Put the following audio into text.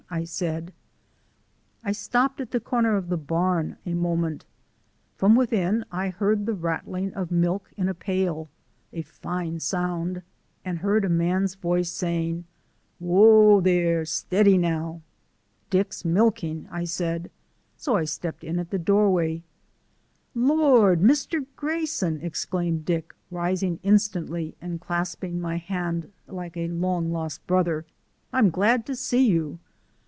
I said. I stopped at the corner of the barn for a moment. From within I heard the rattling of milk in a pail (a fine sound), and heard a man's voice saying: "Whoa, there! Stiddy now!" "Dick's milking," I said. So I stepped in at the doorway. "Lord, Mr. Grayson!" exclaimed Dick, rising instantly and clasping my hand like a long lost brother. "I'm glad to see you!"